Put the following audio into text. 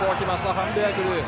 ファン・ベアクル。